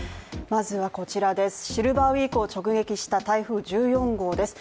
まずはこちらです、シルバーウイークを直撃した台風１４号です。